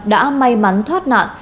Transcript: đã may mắn thoát nạn